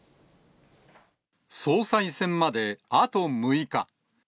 総裁選まであと６日。